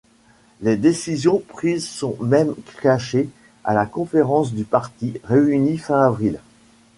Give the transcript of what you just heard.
Les décisions prises sont même cachées à la Conférence du Parti, réunie fin avril.